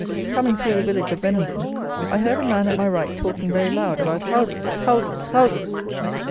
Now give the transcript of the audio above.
Coming through the village of Benenden, I heard a man at my right talking very loud about _houses! houses! houses!